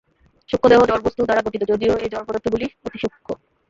সূক্ষ্মদেহও জড়বস্তু দ্বারা গঠিত, যদিও এই জড়পদার্থগুলি অতি সূক্ষ্ম।